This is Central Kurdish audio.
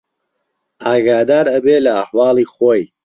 ئاگادار ئەبێ لە ئەحواڵی خۆی